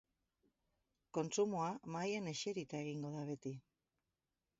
Kontsumoa mahaian eserita egingo da beti.